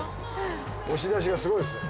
押し出しがすごいですよね。